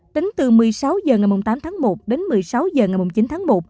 tính từ một mươi sáu h ngày tám tháng một đến một mươi sáu h ngày chín tháng một